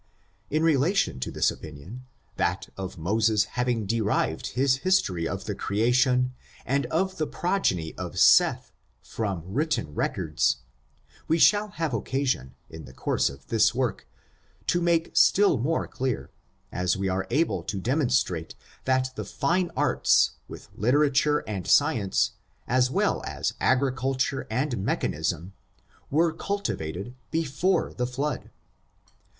In relation to this opinion, that of Moses having derived his history of the creation, and of the proge ny of Seth, from written records, we shall have oc casion, in the course of the work, to make still more clear, as we are able to demonstrate that the fine arts, with literature and science, as well as agri culture and mechanism, were cultivated before the flood.